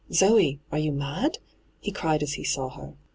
* Zoe I are you mad ?' he cried as he saw her.